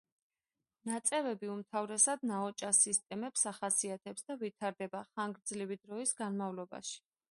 ნაწევები უმთავრესად ნაოჭა სისტემებს ახასიათებს და ვითარდება ხანგრძლივი დროის განმავლობაში.